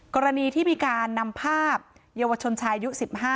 กรณีที่มีการนำภาพเยาวชนชายอายุ๑๕